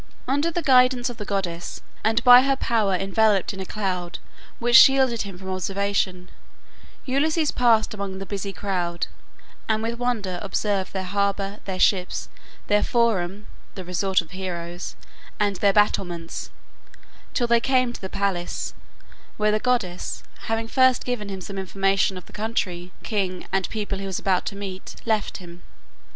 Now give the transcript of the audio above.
Under the guidance of the goddess, and by her power enveloped in a cloud which shielded him from observation, Ulysses passed among the busy crowd, and with wonder observed their harbor, their ships, their forum (the resort of heroes), and their battlements, till they came to the palace, where the goddess, having first given him some information of the country, king, and people he was about to meet, left him.